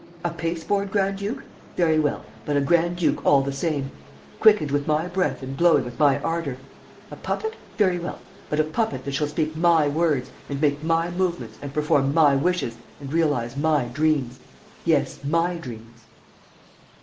A paste board grand duke? Very well! But a grand duke all the same, quickened with my breath and glowing with my ardor. A puppet? Very well. But a puppet that shall speak my words and make my movements and perform my wishes and realize my dreams ... yes ... my dreams."